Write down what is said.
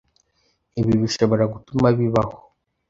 ibi bishobora gutuma bibaho